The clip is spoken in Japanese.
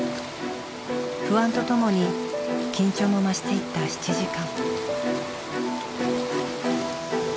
不安とともに緊張も増していった７時間。